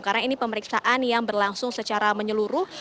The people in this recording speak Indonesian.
karena ini pemeriksaan yang berlangsung secara menyeluruh